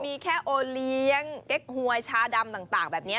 มีแค่โอเลี้ยงเก๊กหวยชาดำต่างแบบนี้